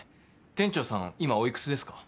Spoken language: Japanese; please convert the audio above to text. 店長さん今お幾つですか？